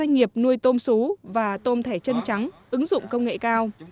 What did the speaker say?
nuôi tôm sú và tôm thẻ chân trắng ứng dụng công nghệ cao